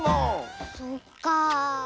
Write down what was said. そっかあ。